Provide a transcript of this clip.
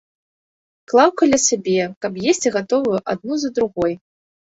Клаў каля сябе, каб есці гатовую адну за другой.